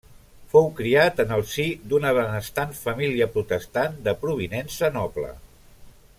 Fou criat en el si d'una benestant família protestant de provinença noble.